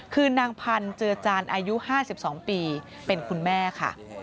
คือนางพันธ์เจือจานอายุ๕๒ปีเป็นคุณแม่ค่ะ